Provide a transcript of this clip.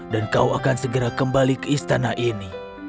dan kau akan segera kembali ke istana ini